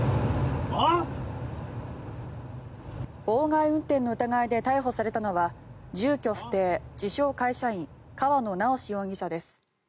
妨害運転の疑いで逮捕されたのは住居不定、自称・会社員河野直司容疑者です。